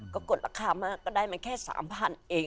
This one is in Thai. ก็กดราคามาก็ได้มันแค่สามพันเอง